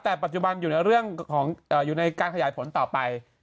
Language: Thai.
แต่ปัจจุบันอยู่ในเรื่องของอยู่ในการขยายผลต่อไป